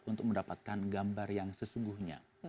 untuk mendapatkan gambar yang sesungguhnya